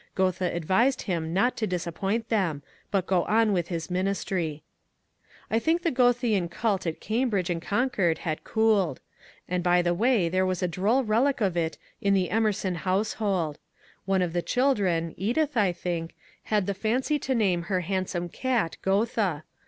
Goethe advised him not to disappoint them, but go on with his min istry. I think the Goethean cult at Cambridge and Concord had cooled. And by the way there was a droll relic of it in the Emerson household ; one of the children — Edith I think — had the fancy to name her handsome cat '^ Goethe."